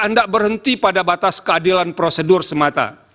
anda berhenti pada batas keadilan prosedur semata